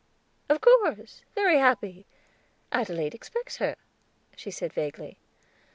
"Of course, very happy; Adelaide expects her," she said vaguely.